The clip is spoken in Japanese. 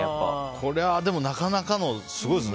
これはなかなかすごいですね。